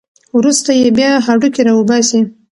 وروسته یې بیا هډوکي راوباسي.